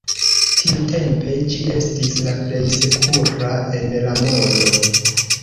Tiutempe ĝi estis la plej sekura en la mondo.